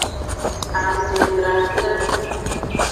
Amedradra.